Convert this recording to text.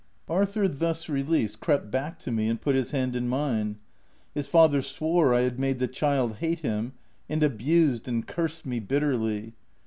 Arthur, thus released, crept back to me and put his hand in mine. His father swore I had made the child hate him, and abused and cursed me bitterly.